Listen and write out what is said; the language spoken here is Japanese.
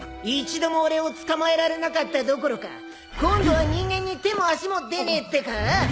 一度も俺を捕まえられなかったどころか今度は人間に手も足も出ねえってか？